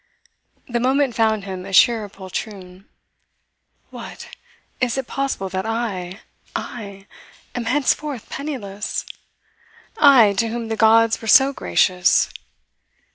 The moment found him a sheer poltroon. 'What! Is it possible that I I am henceforth penniless? I, to whom the gods were so gracious?